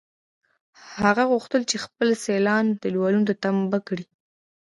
هغه غوښتل چې خپل سیالان دېوالونو ته تمبه کړي